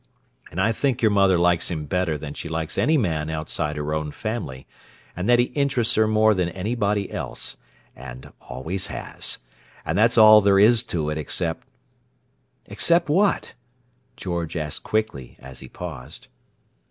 And I think your mother likes him better than she likes any man outside her own family, and that he interests her more than anybody else—and 'always has.' And that's all there is to it, except—" "Except what?" George asked quickly, as he paused.